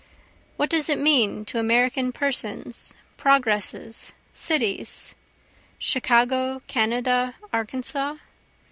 What does it mean to American persons, progresses, cities? Chicago, Kanada, Arkansas?